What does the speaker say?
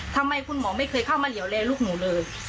ทำไมคุณหมอไม่เคยเข้ามาเหลี่ยวแลลูกหนูเลย